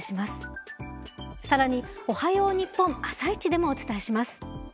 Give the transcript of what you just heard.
更に「おはよう日本」「あさイチ」でもお伝えします。